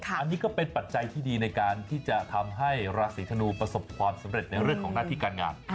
อันนี้ก็เป็นปัจจัยที่ดีในการที่จะทำให้ราศีธนูประสบความสำเร็จในเรื่องของหน้าที่การงาน